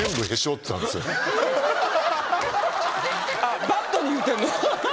あっバットに言うてんの？